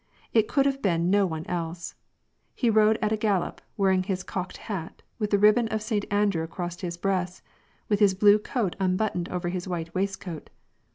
It could have been no one else. He rode at a gallop, wearing his cocked hat, with the ribbon of Saint An drew across his breast, with his blue coat unbuttoned over his white waistcoat.